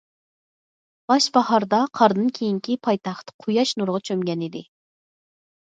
باش باھاردا قاردىن كېيىنكى پايتەخت قۇياش نۇرىغا چۆمگەنىدى.